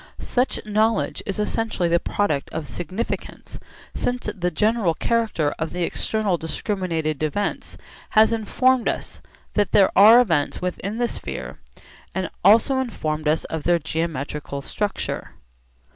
Such knowledge is essentially the product of significance, since the general character of the external discriminated events has informed us that there are events within the sphere and has also informed us of their geometrical structure.